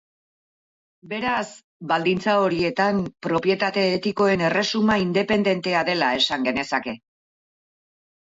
Beraz, baldintza horietan, propietate etikoen erresuma independentea dela esan genezake.